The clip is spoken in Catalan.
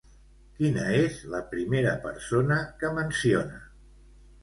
Quina és la primera persona que menciona?